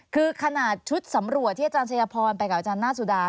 คือขนาดชุดสำรวจที่อาจารย์ชัยพรไปกับอาจารย์หน้าสุดา